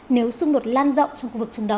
nếu xung đột lan rộng